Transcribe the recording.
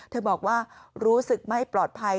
บอกว่ารู้สึกไม่ปลอดภัย